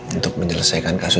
untuk menyelesaikan kasus